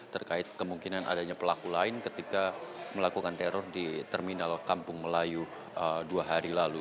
terkait kemungkinan adanya pelaku lain ketika melakukan teror di terminal kampung melayu dua hari lalu